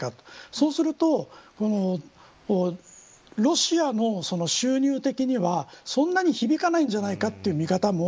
そうするとロシアの収入的にはそんなに響かないんじゃないかという見方も